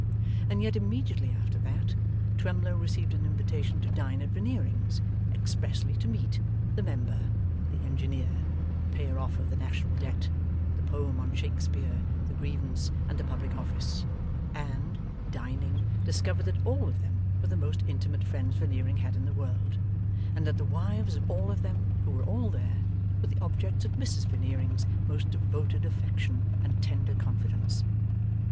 And yet immediately after that, Twemlow received an invitation to dine at Veneerings, expressly to meet the Member, the Engineer, the Payer off of the National Debt, the Poem on Shakespeare, the Grievance, and the Public Office, and, dining, discovered that all of them were the most intimate friends Veneering had in the world, and that the wives of all of them (who were all there) were the objects of Mrs Veneering's most devoted affection and tender confidence.